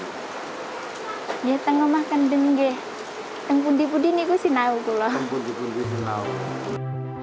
di rumah pendipudin ini ada sinau